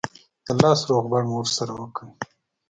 د لاس روغبړ مو سره وکړ.